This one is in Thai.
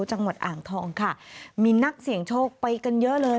จังหวัดอ่างทองค่ะมีนักเสี่ยงโชคไปกันเยอะเลย